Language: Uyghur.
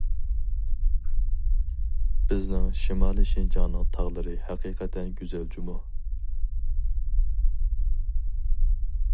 بىزنىڭ شىمالى شىنجاڭنىڭ تاغلىرى ھەقىقەتەن گۈزەل جۇمۇ.